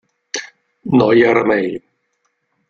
No hi ha remei.